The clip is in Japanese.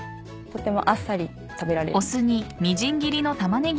とてもあっさり食べられる。